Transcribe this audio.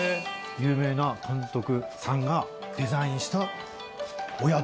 有名な監督さんがデザインしたお宿？